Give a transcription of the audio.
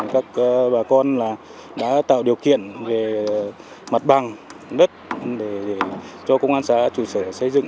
các bà con đã tạo điều kiện về mặt bằng đất cho công an xã trụ sở xây dựng